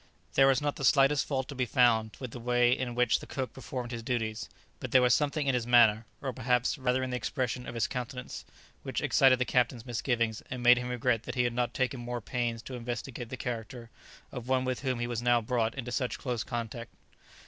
There was not the slightest fault to be found with the way in which the cook performed his duties, but there was something in his manner, or perhaps, rather in the expression of his countenance, which excited the Captain's misgivings, and made him regret that he had not taken more pains to investigate the character of one with whom he was now brought into such close contact.